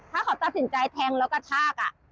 ถ้าเขาตัดสินใจแทงแล้วกระชาก